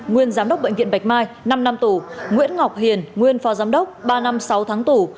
nguyên giám đốc bệnh viện bạch mai năm năm tù nguyễn ngọc hiền nguyên phó giám đốc ba năm sáu tháng tù